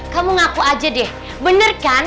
kamu ngaku aja deh bener kan